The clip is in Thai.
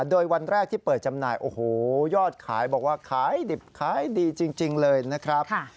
โดยวันแรกที่เปิดจำหน่ายโอ้โหยอดขายบอกว่าขายดิบขายดีจริงเลยนะครับ